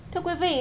thưa quý vị